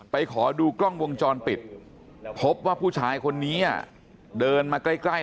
ขอดูกล้องวงจรปิดพบว่าผู้ชายคนนี้เดินมาใกล้